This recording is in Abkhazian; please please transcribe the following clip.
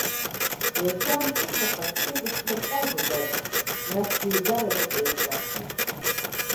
Иахьа амҽышаха, шәхы зыхшәырҟьозеи, дад, насгьы еизарак ыҟоушәа.